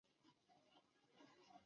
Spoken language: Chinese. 洛因是德国黑森州的一个市镇。